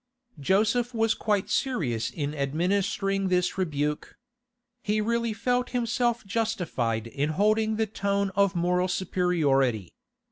Joseph was quite serious in administering this rebuke. He really felt himself justified in holding the tone of moral superiority.